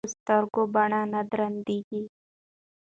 ـ په سترګو باڼه نه درنېږي.